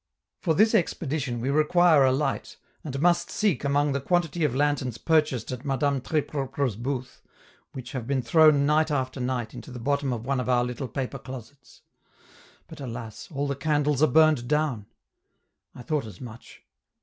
For this expedition we require a light, and must seek among the quantity of lanterns purchased at Madame Tres Propre's booth, which have been thrown night after night into the bottom of one of our little paper closets; but alas, all the candles are burned down! I thought as much!